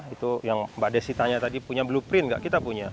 itu yang mbak desi tanya tadi punya blueprint nggak kita punya